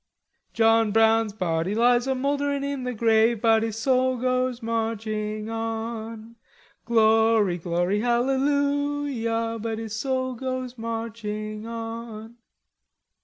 "John Brown's body lies a mouldering in the grave, But his soul goes marching on. Glory, glory, hallelujah! But his soul goes marching on."